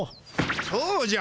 そうじゃ。